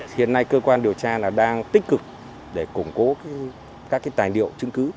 hiện nay cơ quan điều tra đang tích cực để củng cố các tài liệu chứng cứ